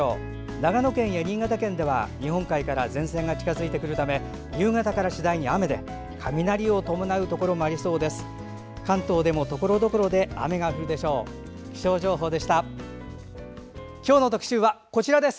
長野県や新潟県では日本海から前線が近づいてくるため夕方から次第に雨で雷を伴うところもありそうです。